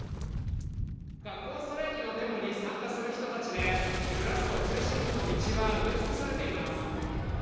学校ストライキのデモに参加する人たちで、グラスゴー中心部の道は埋め尽くされています。